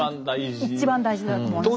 一番大事だと思います。